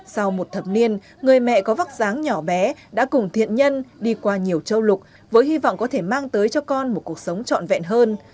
sau một thập niên người mẹ có vắc dáng nhỏ bé đã cùng thiện nhân đi qua nhiều châu lục với hy vọng có thể mang tới cho con một cuộc sống trọn vẹn hơn